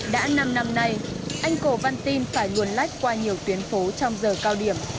đã năm năm nay anh cổ văn tin phải nguồn lách qua nhiều tuyến phố trong giờ cao điểm